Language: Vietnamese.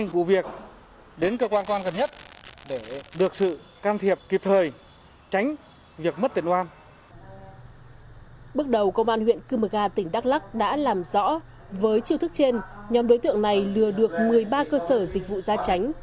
đến sáng nay công an huyện cư mực hà tỉnh đắk lắc đã làm rõ với chiêu thức trên nhóm đối tượng này lừa được một mươi ba cơ sở dịch vụ ra tránh